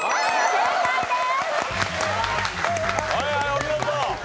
正解です！